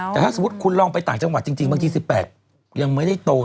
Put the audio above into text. แต่ถ้าสมมุติคุณลองไปต่างจังหวัดจริงบางที๑๘ยังไม่ได้โต